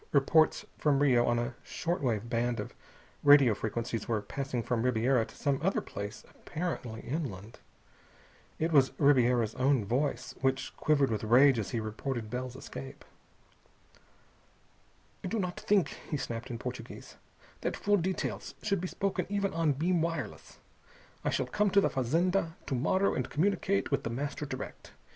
Reports from Rio on a short wave band of radio frequencies were passing from Ribiera to some other place apparently inland. It was Ribiera's own voice, which quivered with rage as he reported Bell's escape. "I do not think," he snapped in Portuguese, "that full details should be spoken even on beam wireless. I shall come to the fazenda _to morrow and communicate with The Master direct.